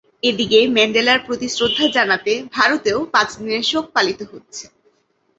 এদিকে ম্যান্ডেলার প্রতি শ্রদ্ধা জানাতে ভারতেও পাঁচ দিনের শোক পালিত হচ্ছে।